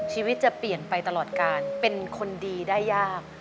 ชีวิตจะเปลี่ยนไปตลอดการเป็นคนดีได้ยาก